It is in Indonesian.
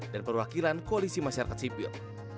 dan perwakilan koalisi masyarakat sipil